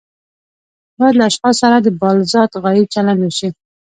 باید له اشخاصو سره د بالذات غایې چلند وشي.